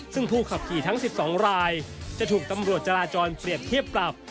ซึ่งผู้ขับขี่ทั้ง๑๒รายจะถูกตำรวจจราจรเปรียบเทียบปรับ